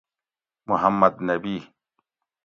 محمد نبی